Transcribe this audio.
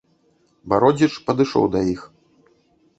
Бародзіч падышоў да іх.